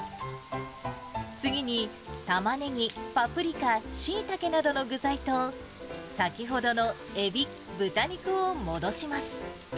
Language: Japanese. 次にたまねぎ、パプリカ、しいたけなどの具材と、先ほどのエビ、豚肉を戻します。